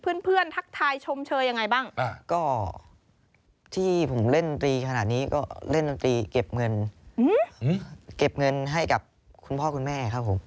เพื่อนเพื่อนทักทายชมเชยยังไงบ้างก็ที่ผมเล่นตรีขนาดนี้ก็เล่นดนตรีเก็บเงินเก็บเงินให้กับคุณพ่อคุณแม่ครับผม